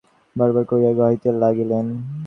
ঘন ঘন তাল দিতে লাগিলেন এবং বারবার করিয়া গাহিতে লাগিলেন।